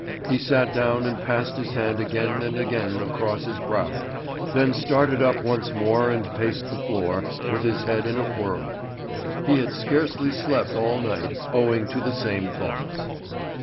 He sat down and passed his hand again and again across his brow, then started up once more and paced the floor, with his head in a whirl. He had scarcely slept all night owing to the same thoughts.